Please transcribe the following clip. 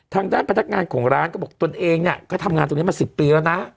ทางด้านพนักงานของร้านก็บอกตนเองเนี่ยก็ทำงานตรงนี้มา๑๐ปีแล้วนะ